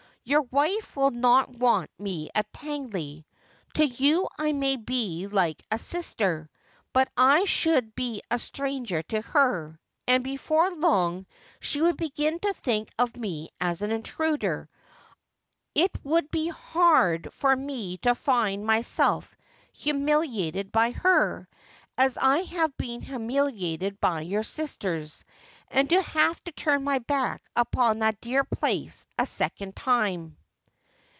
Your wife will not want me at Tangley. To you I may be like a sister, but I should be a stranger to her ; and before long t^he would betnn to think of me as an intruder. It would be hard Lizzie's Failure. 351 for me to find myself humiliated by her, as I have been humiliated by your sisters, and to have to turn my back upon that dear place a second time.'